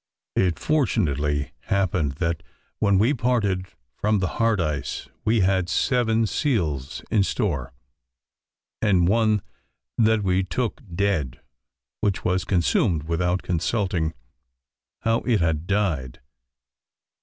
It fortunately happened, that when we parted from the hard ice, we had seven seals in store, and one that we took dead, which was consumed without consulting how it had died.